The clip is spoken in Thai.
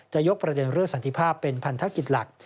ยกประเด็นเรื่องสันติภาพเป็นพันธกิจหลัก